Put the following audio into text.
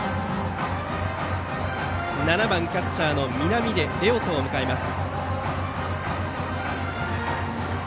７番キャッチャー南出玲丘人を迎えます。